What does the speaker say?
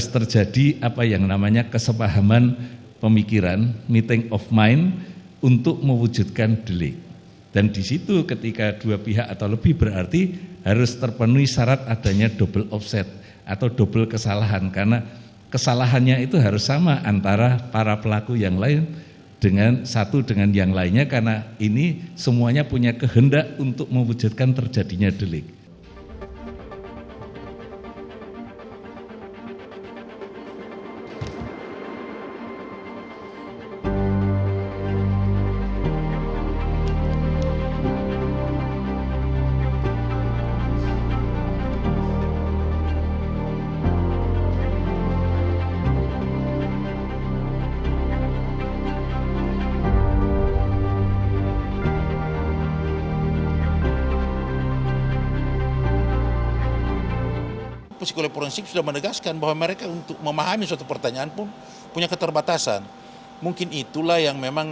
terdakwa kuat bagaimana tanggapan saudara atas keterangan